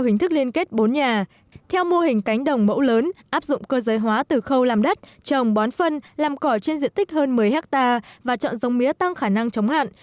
theo hình thức liên kết bốn nhà theo mô hình cánh đồng mẫu lớn áp dụng cơ giới hóa từ khâu làm đất trồng bón phân làm cỏ trên diện tích hơn một mươi hectare và chọn dòng mía tăng khả năng chống hạn